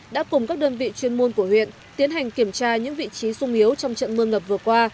đã cùng các đơn vị chuyên môn của huyện tiến hành kiểm tra những vị trí sung yếu trong trận mưa ngập vừa qua